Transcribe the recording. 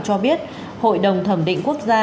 cho biết hội đồng thẩm định quốc gia